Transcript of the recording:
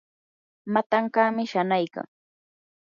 matankaami shanaykan.